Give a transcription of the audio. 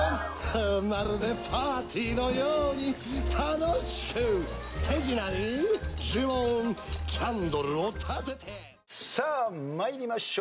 「まるでパーティーのように楽しく」「手品に呪文キャンドルをたてて」さあ参りましょう。